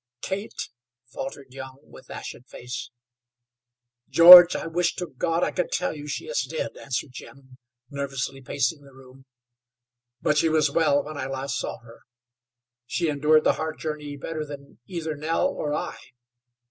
"Kate?" faltered Young, with ashen face. "George, I wish to God I could tell you she is dead," answered Jim, nervously pacing the room. "But she was well when I last saw her. She endured the hard journey better than either Nell or I.